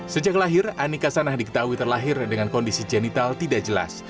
sejak lahir ani kasanah diketahui terlahir dengan kondisi jenital tidak jelas